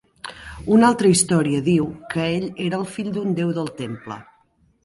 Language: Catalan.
Una altra història diu que ell era el fill d'un déu del temple.